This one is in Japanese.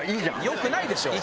よくないでしょ。